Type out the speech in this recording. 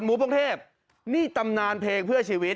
กรุงเทพนี่ตำนานเพลงเพื่อชีวิต